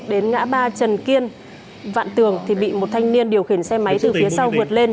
đến ngã ba trần kiên vạn tường thì bị một thanh niên điều khiển xe máy từ phía sau vượt lên